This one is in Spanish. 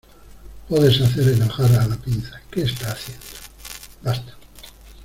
Podes hacer enojar a la pinza. ¿ qué está haciendo? ¡ basta!